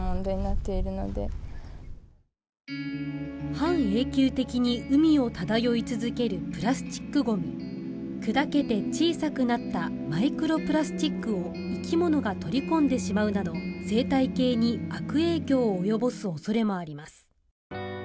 半永久的に海を漂い続けるプラスチックゴミ砕けて小さくなったマイクロプラスチックを生き物が取り込んでしまうなど生態系に悪影響を及ぼす恐れもあります。